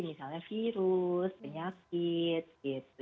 misalnya virus penyakit gitu